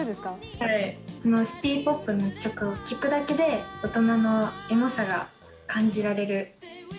シティポップの曲を聴くだけで、大人のエモさが感じられる。